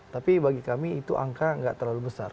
tapi bagi kami itu angka nggak terlalu besar